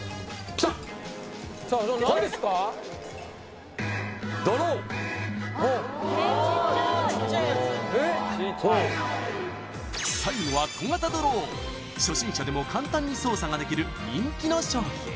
ちっちゃい最後は小型ドローン初心者でも簡単に操作ができる人気の商品